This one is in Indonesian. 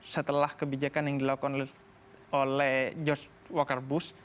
setelah kebijakan yang dilakukan oleh george wacker bush